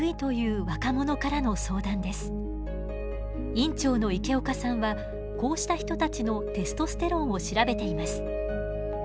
院長の池岡さんはこうした人たちのテストステロンを調べています。